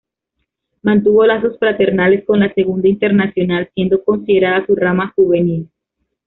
Mantuvo lazos fraternales con la Segunda Internacional, siendo considerada su rama juvenil.